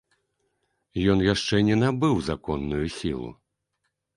Ён яшчэ не набыў законную сілу.